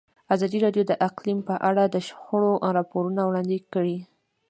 ازادي راډیو د اقلیم په اړه د شخړو راپورونه وړاندې کړي.